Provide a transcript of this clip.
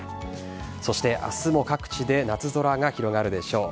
そして明日も各地で夏空が広がるでしょう。